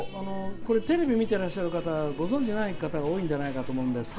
テレビ見てらっしゃる方はご存じない方が多いんじゃないかと思うんで。